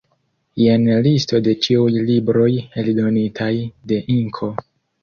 Jen listo de ĉiuj libroj eldonitaj de Inko.